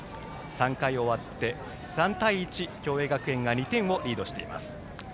３回を終わって３対１共栄学園が２点をリードしています。